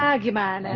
ah gimana sih